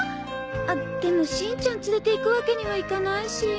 あっでもしんちゃん連れていくわけにはいかないし。